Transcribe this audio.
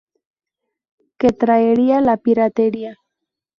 que traería la piratería